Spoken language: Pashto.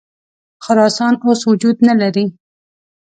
خراسان اوس وجود نه لري.